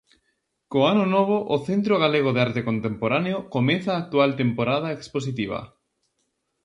Co ano novo o Centro Galego de Arte Contemporáneo comeza a actual temporada expositiva.